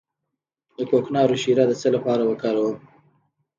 د کوکنارو شیره د څه لپاره وکاروم؟